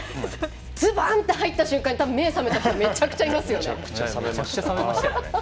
ズバン！って入った瞬間に目が覚めた人めちゃくちゃいますよね。